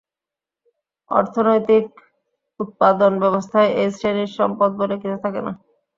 অর্থনৈতিক উৎপাদন ব্যবস্থায় এই শ্রেণীর সম্পদ বলে কিছু থাকে না।